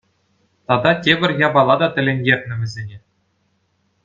Тата тепӗр япала та тӗлӗнтернӗ вӗсене.